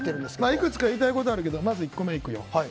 いくつか言いたいことあるけどまず１個目いくよ。